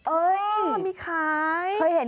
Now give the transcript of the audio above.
โอ้ยมีใคร